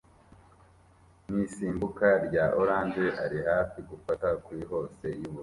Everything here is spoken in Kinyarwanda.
nisimbuka rya orange ari hafi gufata kuri hose yubururu